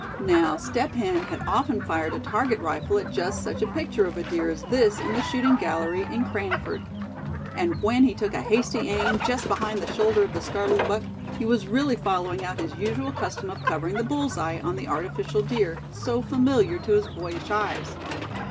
Now, Step Hen had often fired a target rifle at just such a picture of a deer as this in the shooting gallery in Cranford. And when he took a hasty aim just behind the shoulder of the startled buck, he was really following out his usual custom of covering the bull's eye on the artificial deer, so familiar to his boyish eyes.